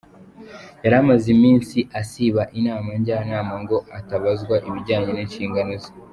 Yari amaze iminsi asiba inama Njyanama ngo atabazwa ibijyanye n’inshingano ze.